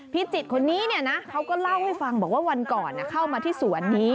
จิตคนนี้เนี่ยนะเขาก็เล่าให้ฟังบอกว่าวันก่อนเข้ามาที่สวนนี้